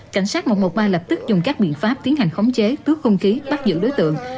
cảnh sát một trăm một mươi ba lập tức dùng các biện pháp tiến hành khống chế tước không khí bắt giữ đối tượng